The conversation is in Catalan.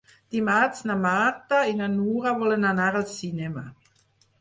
Dimarts na Marta i na Nura volen anar al cinema.